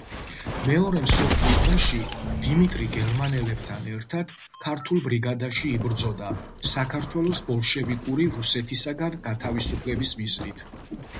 მეორე მსოფლიო ომში დიმიტრი გერმანელებთან ერთად ქართულ ბრიგადაში იბრძოდა საქართველოს ბოლშევიკური რუსეთისაგან გათავისუფლების მიზნით.